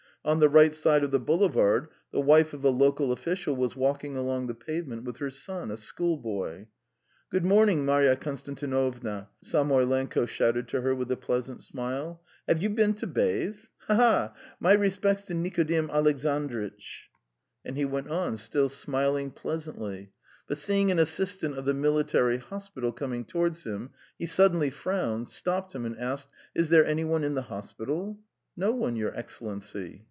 On the right side of the boulevard the wife of a local official was walking along the pavement with her son, a schoolboy. "Good morning, Marya Konstantinovna," Samoylenko shouted to her with a pleasant smile. "Have you been to bathe? Ha, ha, ha! ... My respects to Nikodim Alexandritch!" And he went on, still smiling pleasantly, but seeing an assistant of the military hospital coming towards him, he suddenly frowned, stopped him, and asked: "Is there any one in the hospital?" "No one, Your Excellency."